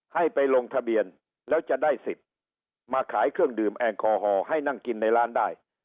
ให้ไปลงทะเบียนแล้วจะได้สิทธิ์มาขายเครื่องดื่มแอลกอฮอล์ให้นั่งกินในร้านได้